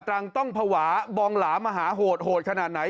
จังห์ตรังต้องภาวะบองหลามหาโหดขนาดไหน